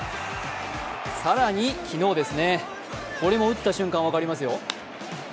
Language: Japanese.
更に昨日、これも打った瞬間、分かりますよ。